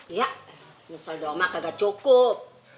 iya nyesel dong ma gak cukup